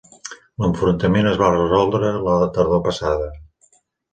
L'enfrontament es va resoldre la tardor passada.